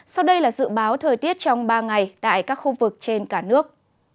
sau đây là dự báo thời tiết trong ba ngày tại các khu vực trên cả nước